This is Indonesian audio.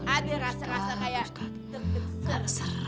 ada rasa rasa kayak tergeser